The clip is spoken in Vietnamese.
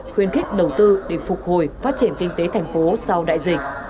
khuyến khích đầu tư để phục hồi phát triển kinh tế thành phố sau đại dịch